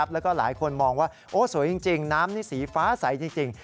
แล้วก็หลายคนมองว่าโอ้สวยจริงน้ำนี่สีฟ้าใสจริง